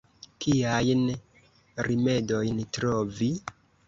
Kiajn rimedojn trovi?